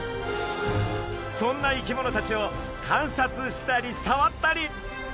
そんな生き物たちを観察したり触ったり。